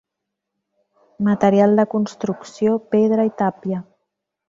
Material de construcció: pedra i tàpia.